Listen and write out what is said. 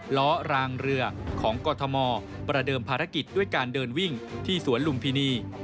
ล้อรางเรือของกรทมประเดิมภารกิจด้วยการเดินวิ่งที่สวนลุมพินี